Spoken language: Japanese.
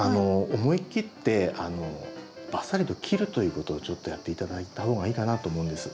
思い切ってバッサリと切るということをちょっとやって頂いた方がいいかなと思うんです。